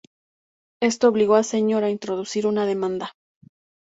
Esto obligó a Senior a introducir una demanda.